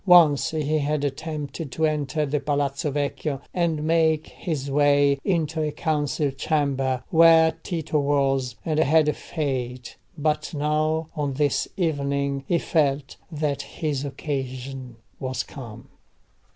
Once he had attempted to enter the Palazzo Vecchio and make his way into a council chamber where Tito was, and had failed. But now, on this evening, he felt that his occasion was come.